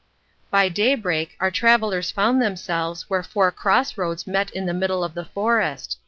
By daybreak our travellers found themselves where four cross roads met in the middle of the forest.